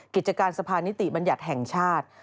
กิจการสะพานนิติบัญญัติแห่งชาติ